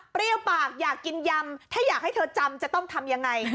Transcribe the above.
ปากอยากกินยำถ้าอยากให้เธอจำจะต้องทำยังไง